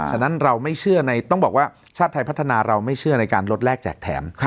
ฉะนั้นเราไม่เชื่อต้องบอกว่าชาติไทยพัฒนาเราไม่เชื่อในการลดแรกแจกแถม